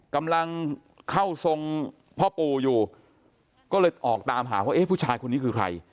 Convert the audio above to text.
กำลังเข้าทรงพ่อปู่อยู่ก็เลยออกตามหาว่าเอ๊ะผู้ชายคนนี้คือใคร